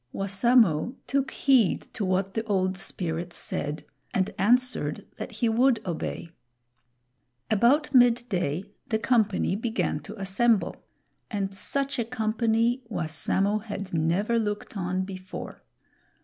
Wassamo took heed to what the Old Spirit said and answered that he would obey. About midday the company began to assemble; and such a company Wassamo had never looked on before.